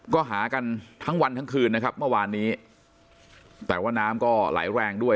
ก็หากันทั้งวันทั้งคืนนะครับเมื่อวานนี้แต่ว่าน้ำก็ไหลแรงด้วย